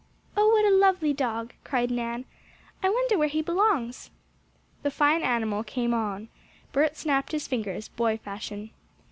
"Oh, what a lovely dog!" cried Nan. "I wonder where he belongs?" The fine animal came on. Bert snapped his fingers, boy fashion.